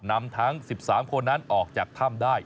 นำทั้ง๑๓คนนั้นออกจากถ้ำได้